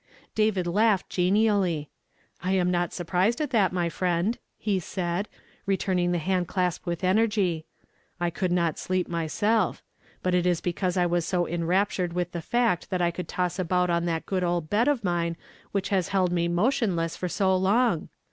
David laughed genially. "I am not sur])rised at that, my friend," he said, returniug the Jiand clasp with energy; "I could not sleep mj self. Hut it was because I was so enrai)tured with the fact that I could toss about on that good old bed of mine which has lield me motionless for so long.